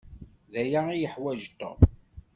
D aya i yeḥwaj Tom.